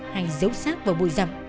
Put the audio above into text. hay giấu xác vào bụi rậm